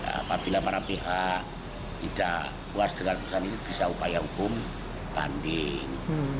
apabila para pihak tidak puas dengan keputusan ini bisa upaya hukum banding